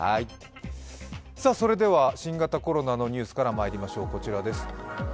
それでは新型コロナのニュースからまいりましょう。